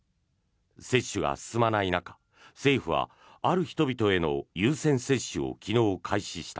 接種が進まない中政府はある人々への優先接種を昨日、開始した。